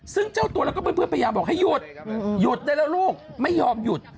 ซึ่งเจ้าตัวแล้วก็เพื่อนพยายามบอกให้หยุดหยุดได้แล้วลูกไม่ยอมหยุด